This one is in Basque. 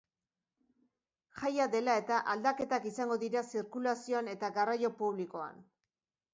Jaia dela eta, aldaketak izango dira zirkulazioan eta garraio publikoan.